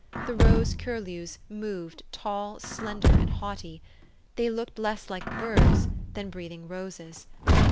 The rose curlews moved, tall, slender, and haughty: they looked less like birds than breathing roses.